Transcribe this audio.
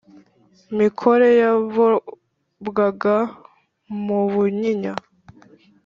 mikore yakobwaga mu bunyinya